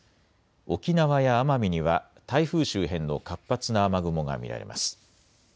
沖縄や奄美には台風周辺の活発な雨雲が見られます。